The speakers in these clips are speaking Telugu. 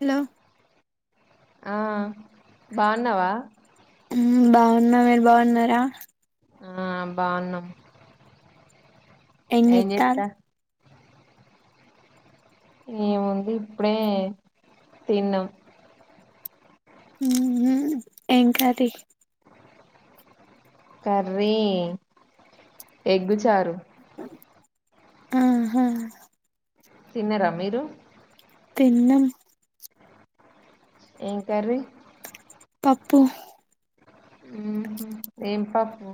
హలో ఆ బాగున్నావా బాగున్న మీరు బాగున్నారా ఆ బాగున్నాం ఎం ఏం చేతరు చేస్తా మేము వంది ఇప్పుడే తిన్నాం ఏం కర్రీ కర్రీ ఎగ్ చారు ఆ హా తిన్నారా మీరు తిన్నం ఏం కర్రీ పప్పు ఏం పప్పు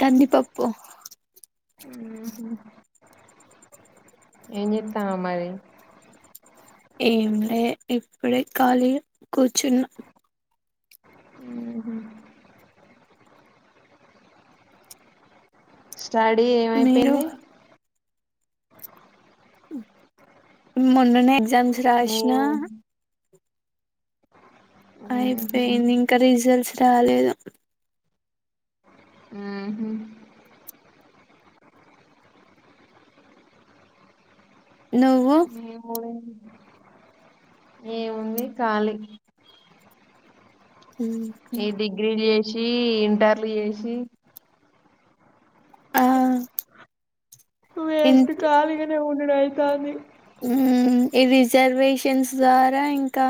కందిపప్పు ఎం చేతవు మరి ఎంలే ఇప్పుడే కాళీ కూర్చున్న అ శడీ మీరు ఏమైపోయింది మననే ఎగ్జామ్స్ రాసిన మేము ఉహు అయిపోయిన్ ఇంకా రిజల్ట్స్ రాలేదు ఉ హుం నువ్వు మివోడ్ ఏముంది ఖాళీ ఏ డిగ్రీల్ చే షి ఇంటర్లు చేషి ఆ వేస్ట్ కలిగానే ఉం ఇక్కడ అయితాంది ఉమ్ ఈ రిజర్వేషన్స్ ద్వారా ఇంకా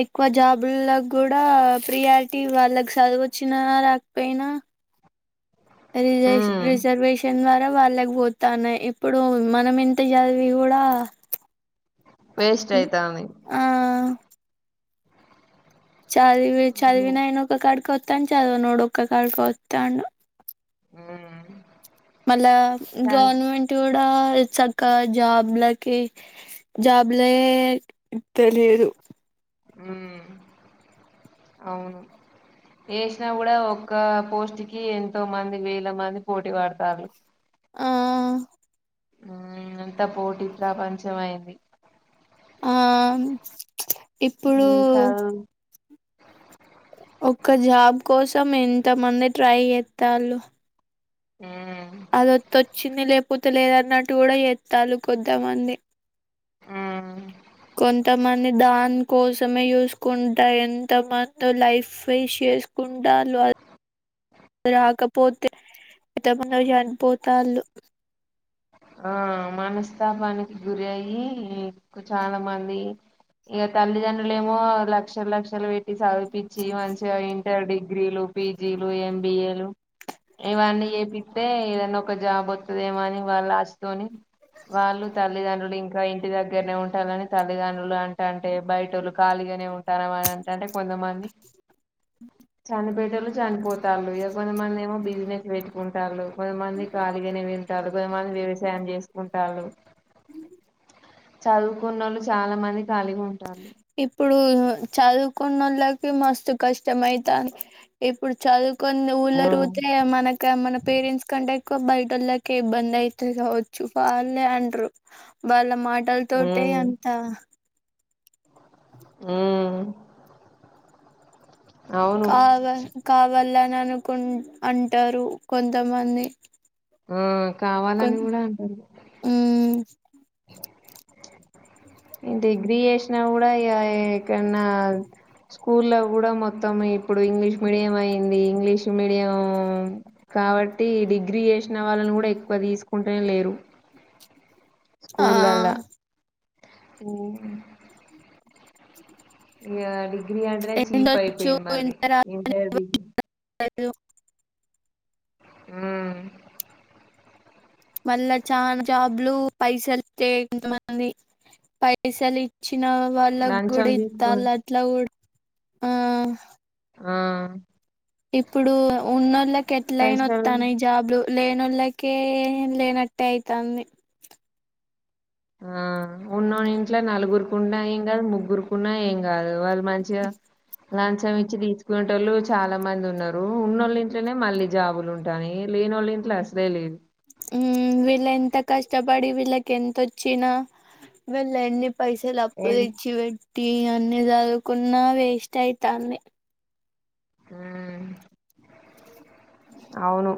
ఎక్కువ జాబులో కూడా ప్రియారిటీ వాళ్ళకి చదువుొచ్చిన రాకపోయినా రిజర్వేష ఉమ్ రిజర్వేషన్ వ డా వాళ్ళక పోతనయి ఇప్పుడు మనం ఎంత చదివి కూడా వేస్ట్ అయితాంది ఆ చదివి అవును చదివినయినా ఒక కడిక్ వ త చదవనోడు ఒక కాడికి వత్తండు ఉమ్ మళ్ళా సరే గవర్నమెంట్ కు డా చక్క జూబ్లాక్ జాబ్లే తెలిదు హమ్ అవును వేసినా కూడా ఒక్క పోస్ట్ కి ఎంతో మంది వేల మంది పోటీ పాడ్తన్లూ ఆ ఆ అంతా పోటీ ప్రపంచమ అయింది ఆ ఇప్పుడు ఉమ్ చదువు ఒక్క జాబ్ కోసం ఎంత మంది ట్రై చేస్తాలు ఉమ్ అది ఓతే వచ్చింది లే కపోతెలేదన్నట్టు కూడా చేస్తాలు కొంతమంది ఆ కొంతమంది దాని కోసమే చూసుకుంటా ఎంతమంది లైఫ్ వేస్ట్ చేసుకుంటల రాకపోతే ఎంతమంది చనిపోతలు ఆ మనస్తాపానికి గురి అయ్యి చాలా మంది ఇక తల్లిదండ్రులు ఏమో లక్షల లక్షలు పే టి సదువపిచి మంచిగా ఇ డిగ్రీలు పిజీలు ఎంబీఏలు ఇవన్నీ చేపిస్తే ఏదైన్న ఒక జాబ్ వస్తుదేమోని వలాశతోని వాలు తల్లితండ్రులు డి ఇంక ఇంటి దగ్గరనే ఉంటాలని తల్లిదండ్రులు అంట అంటే బయటోలు ఖాళీగానే ఉంటారుని అంటంటే కొంతమంది చనిపెట్టళు చనిపోతారుళ ఇక కొంతమంది ఏమో బిజినెస్ పెట్టుకుంటారుు కొంతమంది ఖాళీగానే వింటారు కొంతమంది వ్యవసాయం చేసుకుంటారు చదువుకున్నళ్ళు చాలా మంది కలిగా ఉంటాలు చదువుకున్నళ్ళకి మస్తు కష్టం అయితంది ఇప్పుడు చాద్ కొన్ని ఊర్లో ఉమ్ తిరుగుతే మనకి మన పేరెంట్స్ కంటే బయటళ్ళక ఇబ్బంది అయితే కావచ్చు వాళ్ళే అంటరు వాళ్ళ మాట ఆటల్ తోటే అంత ఆ అవును కావ కావల్ల అని అనుకు అంటారు కొంతమంది ఆ కొ కావాలని కూడా అంటారు మ్మ్ ఇంటి డిగ్రయేష కూడా కనా స్కూల్ కూడా మొత్తం ఇప్పుడు ఇంగ్లీష్ మీడియం అయింది ఇంగ్లీష్ మీడియం కాబట్టి డిగ్రీ చేసిన వాళ్ళని కూడా ఎక్కువ తీసుకుంటేనే లేరు ఆ ఓ ఇ అంటనే చీప్ ఎండొచ్చు అయిపోయింది మళ్ళీ ఇంట అ ఆ మళ్ళా చాలా జాబ్లు పైసలు ఇస్తే ఎంత మంది పైసలు వచ్చిన వాళ్ళ లంచం గుడి తీసుకో ఇస్తళ అట్లా ఆ ఆ ఇప్పుడు ఉన్నోళ్ళకి ఎట్లైన్ పైసలు వస్తాను ఈ జాబ్లు లేన వాళ్ళకే లేనట్టే అవుతుంది ఆ ఉన్నోన్నింట్లో నలుగురుకున్నా ఏం కాదు ముగ్గురుకున్నా ఏం కాదు వాళ మంచిగా లంచం ఇచ్చి తీసుకునేటోళ్ళు చాలా మంది ఉన్నారు ఉన్నోళ్ళ ఇంట్లోనే మళ్ళీ జాబులు ఉంటాయి లేనోళ్ళ ఇంట్లో అసలే లేదు హ్మ్ వీళ్ళెంత కష్టపడి వీళ్ళకి ఎంతొచ్చినా వీళ్ళు ఎన్ని పైసలు అప్పు ఏం తెచ్చి పెట్ టీ అన్నీ చదువుకున్నా వేస్ట్ అయితాంది ఆ అవును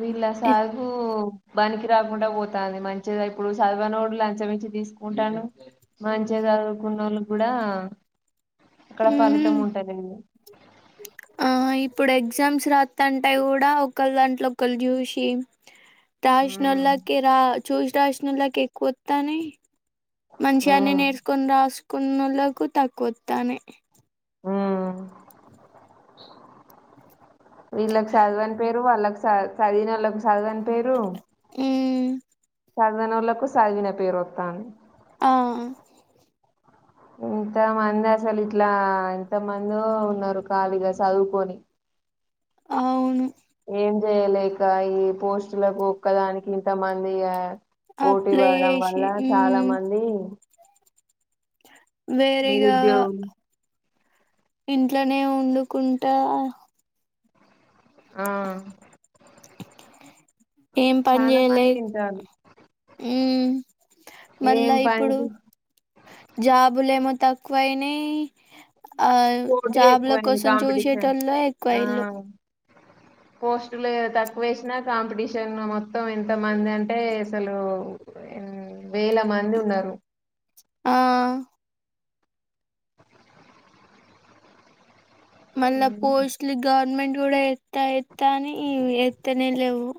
వీళ్ళ ఎట్- సాగూ బనికి రాకుండా పోతంది మంచిద ఇప్పుడు సదవనోడు లంచమిచ్చి తీసుకుంటాను మంచిద గున్నోళ్ళు కూడా అక్కడ ఫలితం ఉమ్, ఉంటాది. ఆ ఇప్పుడు ఎగ్జామ్స్ రాస్తంటే కూడా ఒకళ్ల దాంట్లో ఒకళ్లు చూసి. దాష్ ఉమ్ నల్లకి రా! చూస రాసినల్లకి ఎక్కువ వత్తన్నాయ్. మంచిగానే ఉమ్ నేర్చుకొని, రాసు ఉన్నోల్లకు తక్కువత్తాన్నాయి. హ్మ్! వీళ్ళకి చదివని పేరు వాళ్ళకి చదివినోళ్ళకి. చదవని పేరు. ఉమ్ చదవనోళ్లకు చదివిన పేరు వత్తాంది. ఆ ఇంత మంది అసలు ఇట్లా ఇంత మందో ఉన్నారు ఖాళీగా చదువుకొని. అవును. ఏం చేయలేక ఈ పోస్టులకు, ఒక్కదానికి ఇంత మంది పోటీ అప్లై పడడం చేసి వల్ల చాలా ఉమ్ మంది. వేరేగా. నిరుద్యోగులు ఇంట్లోనే వండుకుంటా! ఆ [inaudible] ఏం పని చాలా చేయలే. మంది ఉంటారు హ్మ్! ఏం మళ్ళా ఇప్పుడు పని జాబులేమో, తక్కువైనాయి. ఆ పోటీ జాబ్ల ఎక్కువైంది కోసం కాంపిటీషన్ చూసేటోల్లె ఎక్కువ ఈళ్ళు. ఆ పోస్టులు తక్కువేసినా, కాంపిటీషన్ మొత్తం ఎంత మంది అంటే అసలు. వేల మంది ఉన్నారు. ఆ మళ్ళ పోస్ట్లీ గవర్నమెంట్. ఇప్పుడే ఎత్త ఎత్తా అని ఎత్తనే లేవు.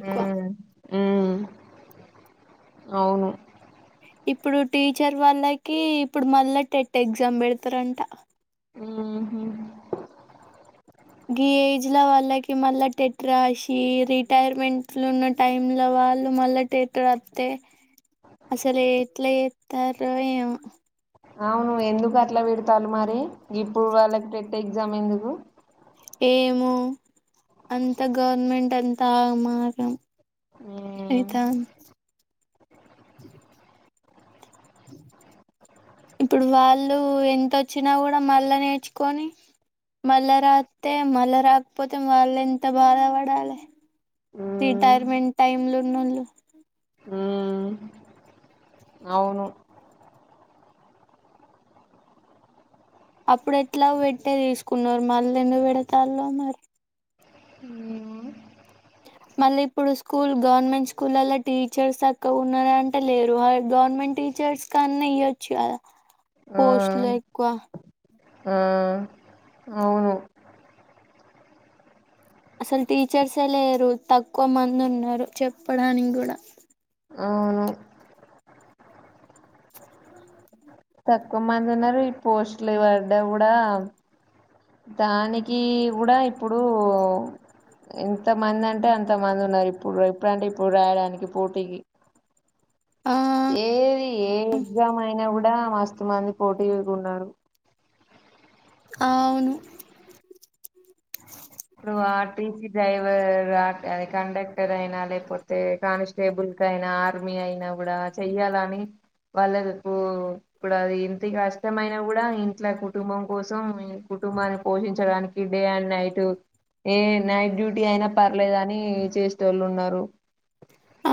ఎక్కువ హ్మ్! అవును. ఇప్పుడు టీచర్ వాళ్ళకి ఇప్పుడు మళ్ళా టెట్ ఎగ్జామ్ పెడతారంట. హ్మ్! హూ! గీ ఏజ్ లో వాళ్ళకి మళ్ళా టెట్ రాసి రిటైర్మెంట్ లో ఉన్న టైమ్ లో వాళ్ళు మళ్ళా టెట్ రాత్తే అసలు ఎట్లా చేస్తారో ఏమో. అవును, ఎందుకు అట్లా పెడతారు? మరి ఇప్పుడు వాళ్ళకి టెట్ ఎగ్జామ్ ఎందుకు? ఏమో అంత గవర్నమెంట్ అంతా ఆగమాగం. ఉమ్ అయితాన్ ఇప్పుడు వాళ్ళు ఎంతొచ్చినా కూడా మళ్ళా నేర్చుకొని మళ్ళా రాత్తే. మళ్ళా రాకపోతే వాళ్ళు ఎంత బాధపడాల. ఉమ్ రిటయర్మెంట్ టైమ్ లో ఉన్నోళ్ళు. హ్మ్ అవును అప్పుడు ఎట్లా పెట్టే తీసుకున్నారు మళ్ళ ఎందు పెడతాలో మరి హ్మ్ మళ్ళీ ఇప్పుడు స్కూల్ గవర్నమెంట్ స్కూల్లల్లో టీచర్స్ సక్కగా ఉన్నంటే లేరు గవర్నమెంట్ టీచర్స్ కన్నా ఇయ్యొచ్చు కదా ఆ పోస్ట్లు ఎక్కువ ఆ అవును అసలు టీచర్సే లేరు తక్కువ మంది ఉన్నారు చెప్పడానికి కూడా అవును తక్కువ మంది ఉన్నారు ఈ పోస్టులు పడ్డ గూడా దానికి గూడా ఇప్పుడు ఇంత మంది అంటే అంత మంది ఉన్నారు ఇప్పుడు ఇప్పుడంటే ఇప్పుడు రాయడానికి పోటీకి ఆ ఏది ఏ ఎగ్జామ్ అయినా కూడా మస్తు మంది పోటీ లకున్నారు ఆ అవును ఇప్పుడు ఆ టీసీ డ్రైవర్ అ కండక్టర్ అయినా లేకపోతే కానిస్టేబుల్ క అయినా ఆర్మీ అయినా కూడా చెయ్యాలని వాళ్ళకు ఇప్పుడు అది ఇంటికిష్ట ఇమైనా కూడా ఇంట్లో కు కుటుంబం కోసం కుటుంబాన్ని పోషించడానికి ఇ డే అండ్ నైట్ ఏ నైట్ డ్యూటీ అయినా పర్లేదు అని చేస్తే వాళ్ళు ఉ న్నారు ఆ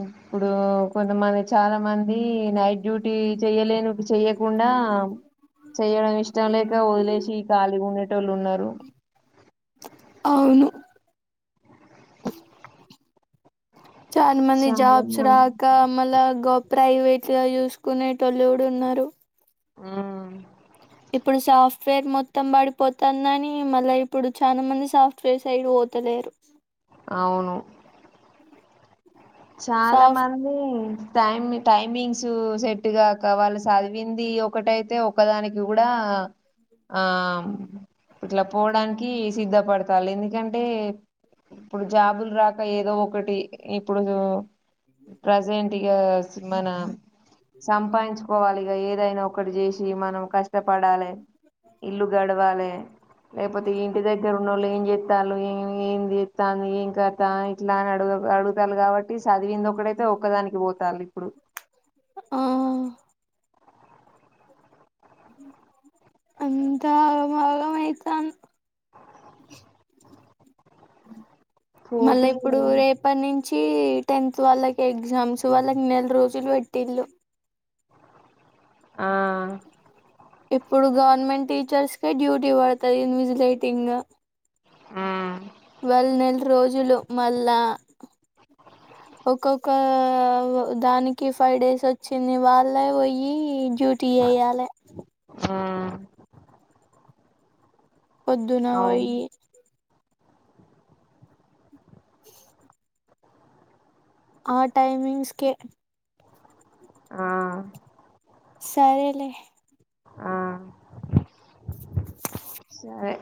ఇప్పుడు కొంతమంది చాలా మంది అ నైట్ డ్యూటీ చెయ్యలేను చెయ్యకుండా చెయడం ఇష్టం లేక వదిలేసి ఖళీ ఉండేటోళ్ళు ఉన్నారు అవును చా మని చాలా జాబ్స్ మంది రాక మల గప్ ప్రైవేట్ గా చూసుకునే టలిడు ఉన్నారు ఆ ఇప్పుడు సాఫ్ట్వేర్ మొత్తం పడిపోతానుని మళ్ళీ ఇప్పుడు చాలా మంది సాఫ్ట్వేర్ సైడ్ పోతలేరు అవును చాలా సాఫ్ట్ మంది టైమ్ టైమింగ్స్ సెట్గాక వాళ్ళు చదివింది ఒకటైతే ఒకదానికి కూడా ఆ ఇట్లా పోవడానికి సిద్ధపడతారుి ఎందుకంటే ఇప్పుడు జాబులు రాక ఏదో ఒకటి ఎప్పుడ్దో ప్రెజెంట్ యోస్ మన సంపాయిన్చుకోవాలిగా ఏదైనా ఒకటి చేసి మనం కష్టపడాలి ఇల్లు గడవాలి లేకపోతే ఇంటి దగ్గర ఉన్నోళ్ళు ఏం చెప్తాలు ఏ ఏమ్ చెప్తాన్ది ఏం కథ ఇట్లా అని అడుగుడుగు ఆడుక్ చుట్టాలు కాబట్టి చదివింది ఒకడైతే ఒక్కదానికి పోతారు ఇప్పుడు ఆ అంత ఆగా ఆగామైతాంది హ్మ్ మళ్ళా పోటీ ఇప్పుడు రేపనీ నుంచి నుంచి టెన్త్ వాళ్ళకి ఎగ్జామ్స్ వాళ్ళకి నెల రోజులు పెట్టిళ్ళు ఆ ఇప్పుడు గవర్నమెంట్ టీచర్స్ కే డ్యూటీ పడుతది ఇన్విజిలేటింగ్ గా ఆ వాళ్ళ నెల రోజులు మళ్ళా ఒక్కొక్క దానికి ఫైవ్ డేస్ వచ్చింది వాళ్ళ పోయిి డ్యూటీ చేయాలి ఆ పద్దున పోయి ఆ టైమింగ్స్ కె ఆ సరేలే ఆ సరే